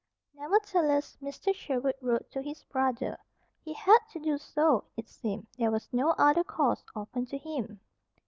Nevertheless, Mr. Sherwood wrote to his brother. He had to do so, it seemed. There was no other course open to him.